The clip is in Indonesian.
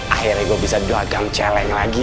akhirnya gue bisa dagang celeng lagi